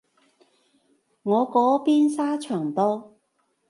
我嗰邊沙場多